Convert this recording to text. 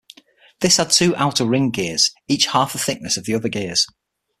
This had two outer ring gears, each half the thickness of the other gears.